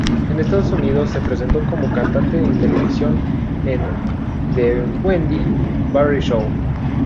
En Estados Unidos se presentó como cantante en televisión en "The Wendy Barrie Show".